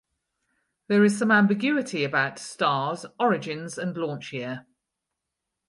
There is some ambiguity about "Star"s origins and launch year.